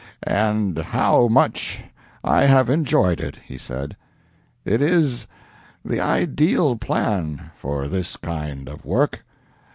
"And how much I have enjoyed it," he said. "It is the ideal plan for this kind of work.